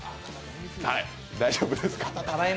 大丈夫ですか？